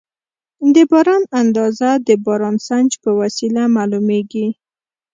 د باران اندازه د بارانسنج په وسیله معلومېږي.